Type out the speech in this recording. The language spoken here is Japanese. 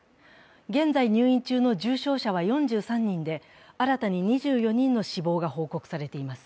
現在入院中の重症者は４３人で新たに２４人の死亡が報告されています。